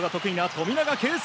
富永啓生